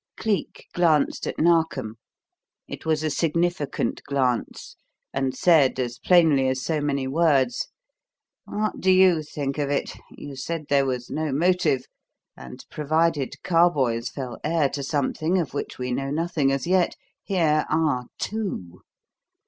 Cleek glanced at Narkom. It was a significant glance, and said as plainly as so many words: "What do you think of it? You said there was no motive, and, provided Carboys fell heir to something of which we know nothing as yet, here are two!